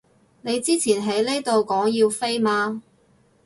你之前喺呢度講要飛嘛